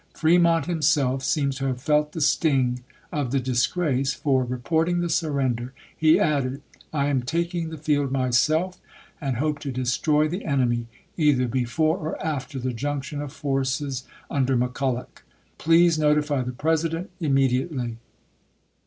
Fremont himself seems to have felt the sting of the disgrace, for, reporting the surrender, he added: "I am tak ing the field myself, and hope to destroy the enemy, either before or after the junction of forces under McCulloch. Please notify the President immediately."